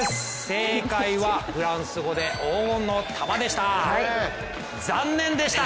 正解は、フランス語で黄金の球でした！